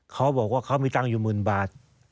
เขาบอกว่าเขามีตังค์อยู่หมื่นบาท